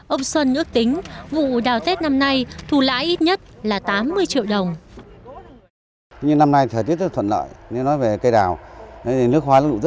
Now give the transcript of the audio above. ông sơn ước tính vụ đào tết năm nay thu lãi ít nhất là tám mươi triệu đồng